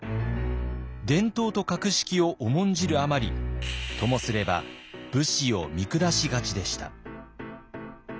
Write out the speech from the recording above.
伝統と格式を重んじるあまりともすれば武士を見下しがちでした。